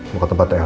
mau ke tempat elsa